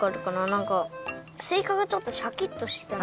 なんかすいかがちょっとシャキッとしてる。